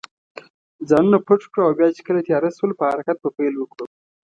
ځانونه پټ کړو او بیا چې کله تېاره شول، په حرکت به پیل وکړو.